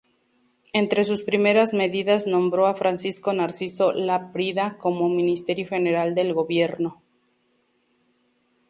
Entre sus primeras medidas nombró a Francisco Narciso Laprida como ministro general del gobierno.